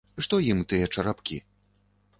Што ім тыя чарапкі?